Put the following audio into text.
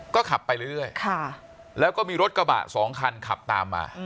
ก็ขับไปเรื่อยแล้วก็มีรถกระบะสองคันขับตามมา